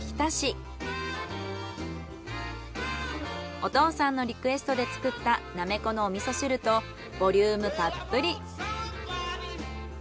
お父さんのリクエストで作ったなめこのお味噌汁とボリュームたっぷり。